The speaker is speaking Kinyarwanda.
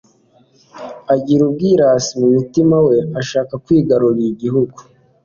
agira ubwirasi mu mutima we ashaka kwigarurira igihugu